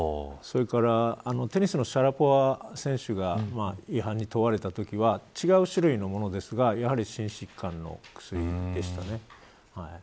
それからテニスのシャラポワ選手が違反に問われたときは違う種類のものですがやはり、心疾患の薬でしたね。